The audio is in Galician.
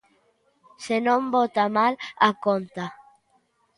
Se non bota mal a conta.